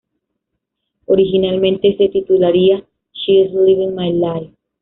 Originalmente se titularía "She's Living My Life".